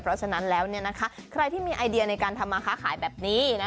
เพราะฉะนั้นแล้วใครที่มีไอเดียในการทำมาค้าขายแบบนี้